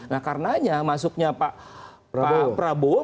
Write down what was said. nah karenanya masuknya pak prabowo